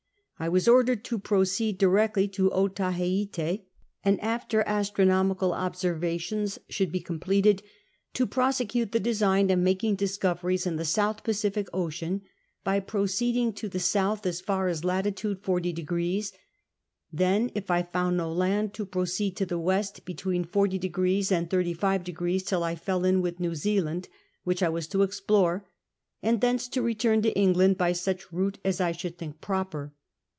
1 was ordered to pi oceed directly to Otaheite, and after 76 CAPTAIN COOK dllAP. astronomical obsc^rvatious should be completed, to prosecute the design of making discoveries in the South Pacific Ocean by proceeding to the south as far as lat. 40; then it I found no land to proceed to the west between 40° and 35° till I fell in with New Zealand, which I was to explore ; and thence to return to England by such route as I should think proper.